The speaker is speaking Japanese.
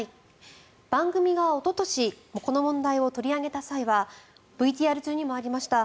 番組がおととしこの問題を取り上げた際はＶＴＲ中にもありました